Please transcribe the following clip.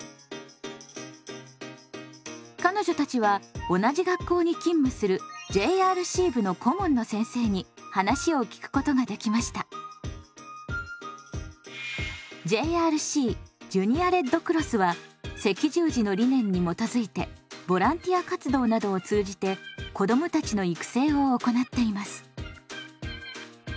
彼女たちは同じ学校に勤務するＪＲＣジュニアレッドクロスは赤十字の理念に基づいてボランティア活動などを通じて子どもたちの育成を行っています。